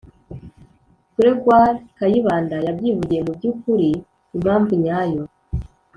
Gr goire kayibanda yabyivugiye mu by ukuri impamvu nyayo